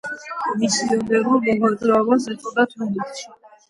მისიონერულ მოღვაწეობას ეწოდა თბილისში.